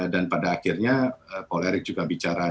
dan pada akhirnya paul erick juga bicara